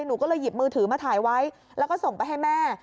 หนูก็เลยหยิบมือถือมาถ่ายไว้แล้วก็ส่งไปให้แม่